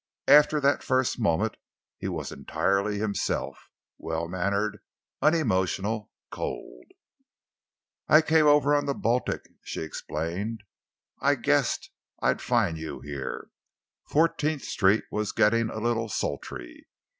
After that first moment he was entirely himself well mannered, unemotional, cold. "I came over on the Baltic," she explained, "I guessed I'd find you here. Fourteenth Street was getting a little sultry.